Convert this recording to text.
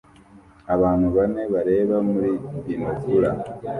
Abantu bane bareba muri binokula